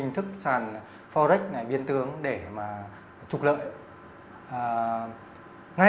người tham gia sàn forex trái phép tại việt nam có thể bị xử phạt hành chính trong lĩnh vực tiền tệ và ngân hàng